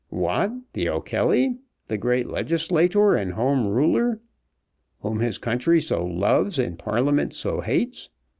"What, the O'Kelly, the great legislator and Home Ruler, whom his country so loves and Parliament so hates!